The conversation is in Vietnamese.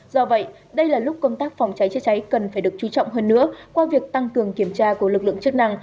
do vậy đây là lúc công tác phòng cháy chữa cháy cần phải được chú trọng hơn nữa qua việc tăng cường kiểm tra của lực lượng chức năng